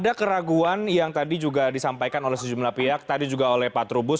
ada keraguan yang tadi juga disampaikan oleh sejumlah pihak tadi juga oleh pak trubus